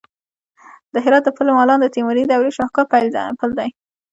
د هرات د پل مالان د تیموري دورې شاهکار پل دی